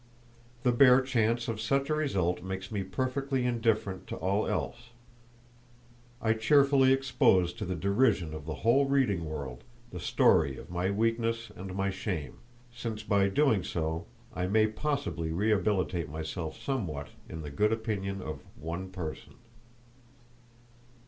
The bare chance of such a result makes me perfectly indifferent to all else; I cheerfully expose to the derision of the whole reading world the story of my weakness and my shame, since by doing so I may possibly rehabilitate myself somewhat in the good opinion of one person.